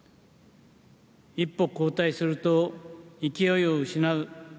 一歩後退すると勢いを失う。